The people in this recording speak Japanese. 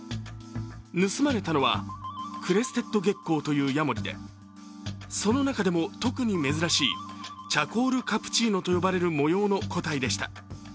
盗まれたのはクレステッドゲッコーというヤモリで、その中でも特に珍しいチャコールカプチーノと呼ばれる模様の個体でした。